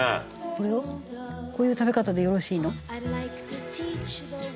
これをこういう食べ方でよろしいの？